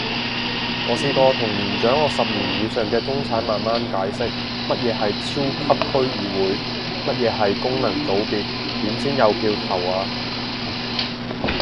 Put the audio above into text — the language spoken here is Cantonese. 我試過同年長我十年以上嘅中產慢慢解釋，乜嘢係超級區議會？乜嘢係功能組別？點先有票投啊？